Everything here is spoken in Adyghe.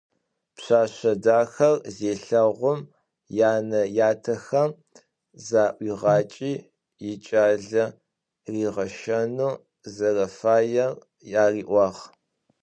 Пшъэшъэ дахэр зелъэгъум янэ ятэхэм заӏуигъакӏи икӏалэ ригъэщэнэу зэрэфаер ариӏуагъ.